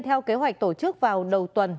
theo kế hoạch tổ chức vào đầu tuần